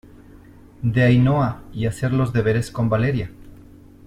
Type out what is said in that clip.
de Ainhoa y hacer los deberes con Valeria.